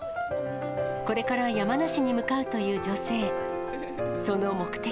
これから山梨に向かうという女性。